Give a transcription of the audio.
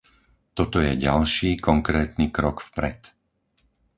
Toto je ďalší konkrétny krok vpred.